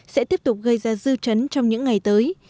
sẽ tiếp tục gây ra dư chấn trong những ngày tới